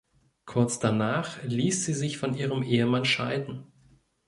Kurz danach ließ sie sich von ihrem Ehemann scheiden.